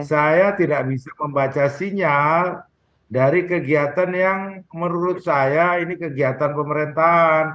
saya tidak bisa membaca sinyal dari kegiatan yang menurut saya ini kegiatan pemerintahan